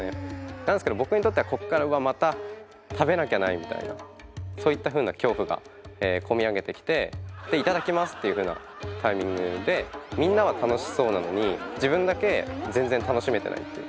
なんですけど僕にとってはこっからうわまた食べなきゃなみたいなそういったふうな恐怖が込み上げてきて頂きますっていうふうなタイミングでみんなは楽しそうなのに自分だけ全然楽しめてないっていう。